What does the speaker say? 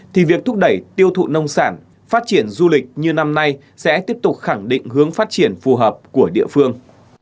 thì việc thúc đẩy tiêu thụ nông sản phát triển du lịch như năm nay sẽ tiếp tục khẳng định hướng phát triển phù hợp của địa phương